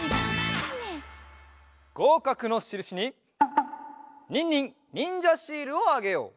ごうかくのしるしにニンニンにんじゃシールをあげよう！